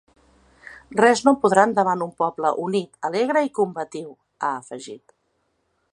Res no podran davant un poble unit, alegre i combatiu!, ha afegit.